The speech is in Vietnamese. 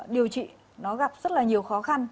điều trị nó gặp rất là nhiều khó khăn